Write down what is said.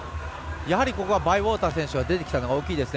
やはり、ここはバイウォーター選手が出てきたのが大きいですね。